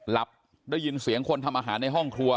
หลับได้ยินเสียงคนทำอาหารในห้องครัว